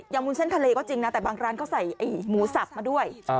วุ้นเส้นทะเลก็จริงนะแต่บางร้านก็ใส่หมูสับมาด้วย